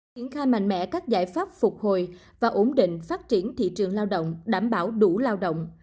triển khai mạnh mẽ các giải pháp phục hồi và ổn định phát triển thị trường lao động đảm bảo đủ lao động